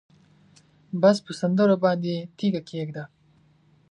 بس په سندرو باندې تیږه کېږده